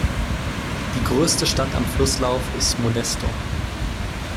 Die größte Stadt am Flusslauf ist Modesto.